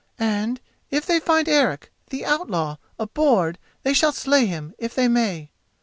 And, if they find Eric, the outlaw, aboard, they shall slay him, if they may."